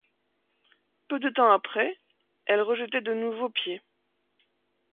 Peu de temps après, elles rejetaient de nouveaux pieds.